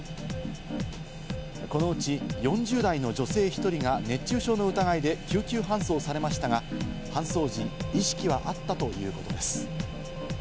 このうち４０代の女性１人が熱中症の疑いで救急搬送されましたが、搬送時、意識はあったということです。